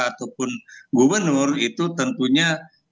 ataupun gubernur itu tentunya